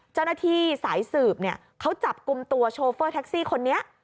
เจ้าหน้าที่สายสืบเนี่ยเขาจับกลุ่มตัวโชเฟอร์แท็กซี่คนนี้